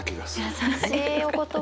優しいお言葉。